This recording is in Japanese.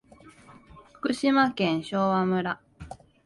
福島県昭和村